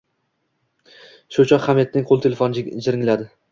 Shu choq Hamidning qo‘l telefoni jiringladi